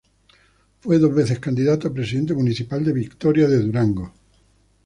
Fue dos veces candidato a Presidente Municipal de Victoria de Durango.